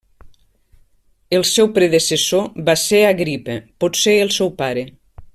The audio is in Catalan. El seu predecessor va ser Agripa, potser el seu pare.